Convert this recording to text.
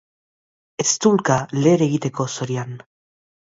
Eztulka leher egiteko zorian.